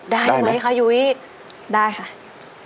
ได้ไหมคะยุ้ยได้ค่ะ